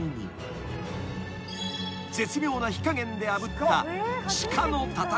［絶妙な火加減であぶった］